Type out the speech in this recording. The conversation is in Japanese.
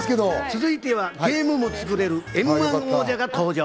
続いてはゲームもつくれるМ‐１王者が登場。